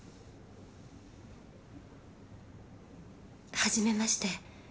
初めまして。